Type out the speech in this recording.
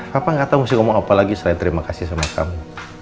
bapak gak tau mesti ngomong apa lagi selain terima kasih sama kamu